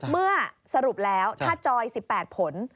เมื่อสรุปแล้วถ้าจอย๑๘ผล